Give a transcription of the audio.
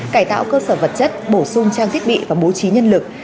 cải tạo cơ sở vật chất bổ sung trang thiết bị và bố trí nhân lực